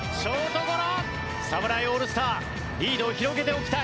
侍オールスターリードを広げておきたい。